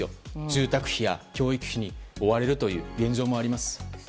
住宅費や教育費に追われるという現状もあります。